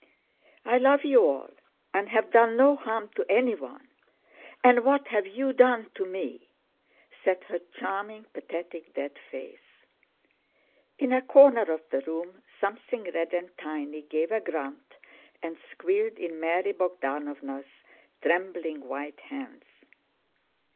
"I love you all, and have done no harm to anyone; and what have you done to me?"—said her charming, pathetic, dead face. In a corner of the room something red and tiny gave a grunt and squealed in Mary Bogdánovna's trembling white hands.